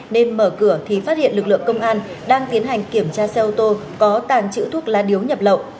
nên mở cửa thì phát hiện lực lượng công an đang tiến hành kiểm tra xe ô tô có tàng trữ thuốc lá điếu nhập lậu